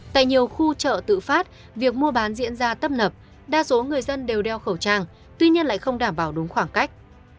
tại nhiều khu chợ tự phát việc mua bán diễn ra tấp nập đa số người dân đều đeo khẩu trang tuy nhiên lại không đảm bảo đúng khoảng cách